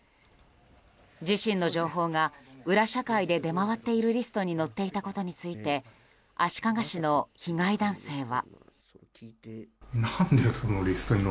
自身の情報が裏社会で出回っているリストに載っていたことについて足利市の被害男性は。